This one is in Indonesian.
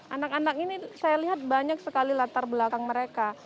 anak anak ini saya lihat banyak sekali latar belakang mereka